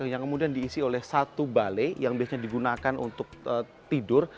yang kemudian diisi oleh satu balai yang biasanya digunakan untuk tidur